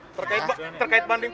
terkait banding pak sambu gimana pak